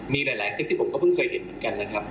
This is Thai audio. มีหลายคลิปที่ผมก็เพิ่งเคยเห็นเหมือนกันนะครับ